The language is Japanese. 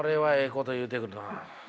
こと言うてくるなあ。